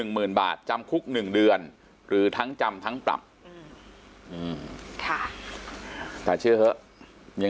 หมื่นบาทจำคุก๑เดือนหรือทั้งจำทั้งปรับแต่เชื่อเถอะยัง